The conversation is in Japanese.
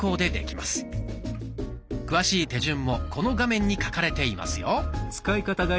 詳しい手順もこの画面に書かれていますよ。